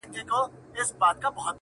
سترګي دي ډکي توپنچې دي!